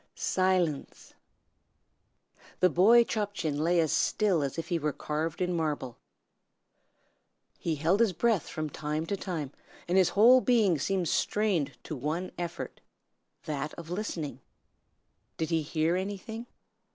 Silence! The boy Chop Chin lay as still as if he were carved in marble. He held his breath from time to time, and his whole being seemed strained to one effort, that of listening. Did he hear anything?